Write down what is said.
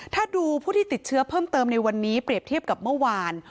ถ้าดูผู้ที่ติดเชื้อเพิ่มเติมในวันนี้เปรียบเทียบกับเมื่อวาน